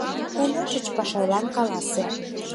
Эн ончын Пашайлан каласе.